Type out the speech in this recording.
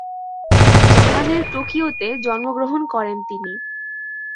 জাপানের টোকিওতে জন্মগ্রহণ করেন তিনি।